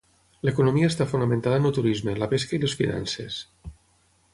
L'economia està fonamentada en el turisme, la pesca i les finances.